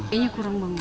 kayaknya kurang banget